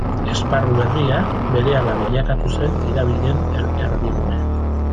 Esparru berria berehala bilakatu zen tirabiren erdigune.